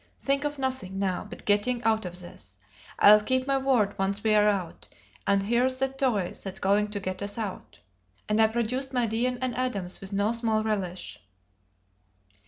"Think of nothing now but getting out of this. I'll keep my word once we are out; and here's the toy that's going to get us out." And I produced my Deane and Adams with no small relish.